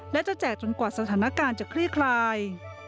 และจะแจกจนกว่าสถานการณ์จะคลี่คลาย